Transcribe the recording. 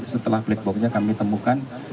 setelah black box nya kami temukan